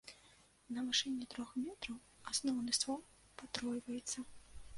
На вышыні трох метраў асноўны ствол патройваецца.